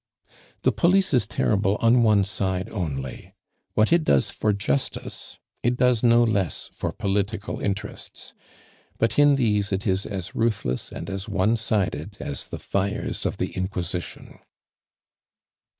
The police is terrible on one side only. What it does for justice it does no less for political interests; but in these it is as ruthless and as one sided as the fires of the Inquisition.